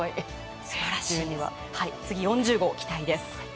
次は４０号に期待です。